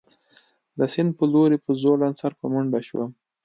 د سیند په لور په ځوړند سر په منډه شوم.